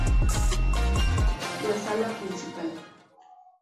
La sala principal.